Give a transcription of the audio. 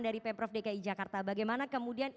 dari pemprov dki jakarta bagaimana kemudian